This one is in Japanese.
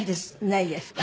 ないですか。